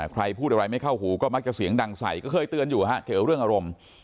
ใครพูดอะไรไม่เข้าหูก็มักจะเสียงดังใส่ก็เคยเตือนอยู่ฮะเกี่ยวเรื่องอารมณ์